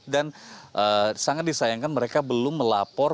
dan sangat disayangkan mereka belum melapor